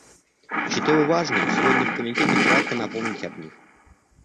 Считаю важным сегодня в Комитете кратко напомнить об них.